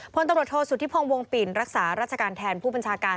พลตำรวจโทษสุธิพงศ์วงปิ่นรักษาราชการแทนผู้บัญชาการ